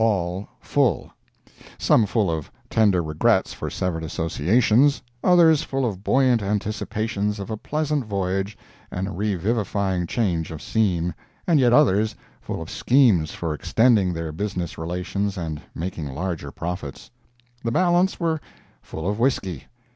all full—some full of tender regrets for severed associations, others full of buoyant anticipations of a pleasant voyage and a revivifying change of scene, and yet others full of schemes for extending their business relations and making larger profits. The balance were full of whisky.